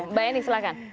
mbak enik silahkan